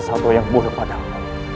satu yang buruk padamu